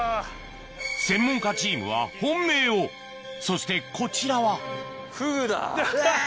専門家チームは本命をそしてこちらはフグだ。